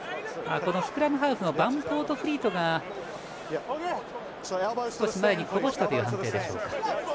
スクラムハーフのバンポートフリートが前にこぼしたという判定でしょうか。